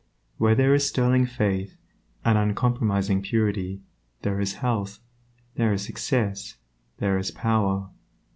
Where there is sterling faith and uncompromising purity there is health, there is success, there is power.